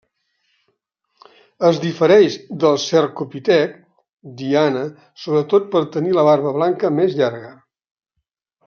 Es difereix del cercopitec diana sobretot per tenir la barba blanca més llarga.